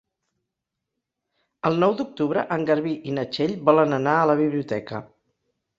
El nou d'octubre en Garbí i na Txell volen anar a la biblioteca.